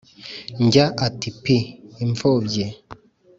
Njya ati pii !-Imfubyi.